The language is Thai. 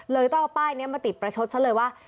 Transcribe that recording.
ต้องเอาป้ายนี้มาติดประชดฉันเลยว่า